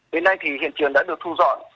bên này thì hiện trường đã được thu dọn